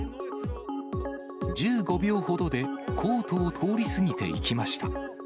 １５秒ほどでコートを通り過ぎていきました。